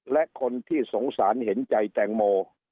และคนที่สงสารเห็นใจแตงโม